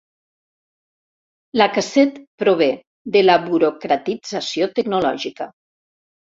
La casset prové de la burocratització tecnològica.